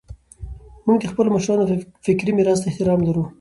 موږ د خپلو مشرانو فکري میراث ته احترام لرو.